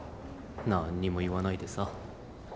何にも言わないでさ。